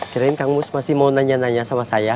kirain kang mus masih mau nanya nanya sama saya